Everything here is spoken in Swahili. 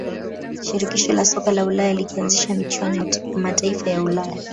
shirikisho la soka la ulaya likaanzisha michuano ya mataifa ya ulaya